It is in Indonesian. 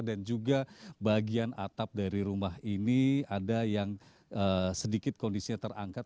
dan juga bagian atap dari rumah ini ada yang sedikit kondisinya terangkat